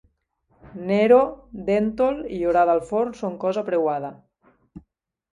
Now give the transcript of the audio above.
Nero, déntol i orada al forn, són cosa preuada.